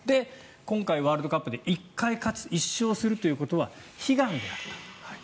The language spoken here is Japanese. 今回ワールドカップで１勝するということは悲願なんだと。